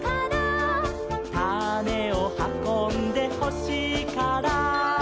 「たねをはこんでほしいから」